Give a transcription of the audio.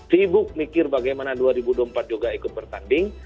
sibuk mikir bagaimana dua ribu dua puluh empat juga ikut bertanding